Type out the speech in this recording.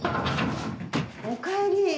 おかえり。